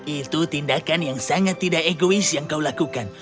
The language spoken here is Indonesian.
itu tindakan yang sangat tidak egois yang kau lakukan